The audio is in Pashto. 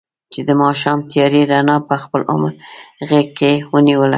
چې د ماښام تیارې رڼا په خپل غېږ کې ونیوله.